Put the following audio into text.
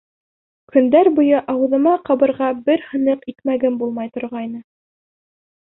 Көндәр буйы ауыҙыма ҡабырға бер һыныҡ икмәгем булмай торғайны.